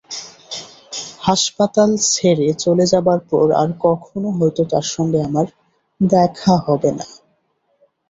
হাসপাতাল ছেড়ে চলে যাবার পর আর কখনো হয়তো তাঁর সঙ্গে আমার দেখা হবে না।